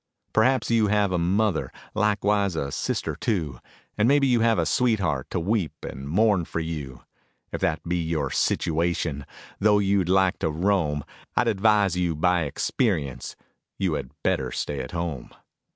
Perhaps you have a mother, likewise a sister too, And maybe you have a sweetheart to weep and mourn for you; If that be your situation, although you'd like to roam, I'd advise you by experience, you had better stay at home.